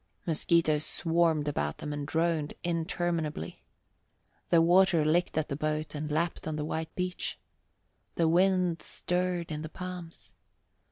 Mosquitoes swarmed about them and droned interminably. The water licked at the boat and lapped on the white beach. The wind stirred in the palms.